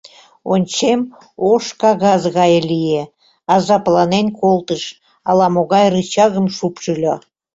Ончем, ош кагаз гае лие, азапланен колтыш, ала-могай рычагым шупшыльо...